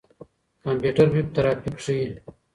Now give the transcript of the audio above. کمپيوټر ويب ټرافيک ښيي.